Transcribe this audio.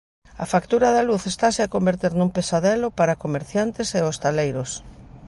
A factura da luz estase a converter nun pesadelo para comerciantes e hostaleiros.